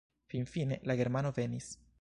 Finfine la germano venis.